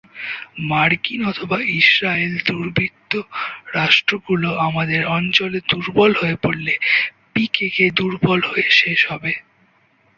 মার্কিন/ইসরায়েল দুর্বৃত্ত রাষ্ট্রগুলো আমাদের অঞ্চলে দুর্বল হয়ে পড়লে পিকেকে দুর্বল হয়ে শেষ হবে।